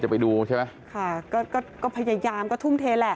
ไปดูใช่ไหมค่ะก็ก็พยายามก็ทุ่มเทแหละ